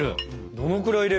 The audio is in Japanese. どのくらい入れる？